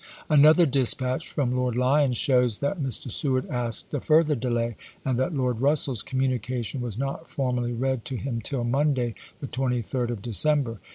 Another dispatch from Lord Lyons shows that Mr. Seward asked a further delay, and that Lord j^^^ Russell's communication was not formally read to ^^Brftish^' him till Monday, the 23d of December.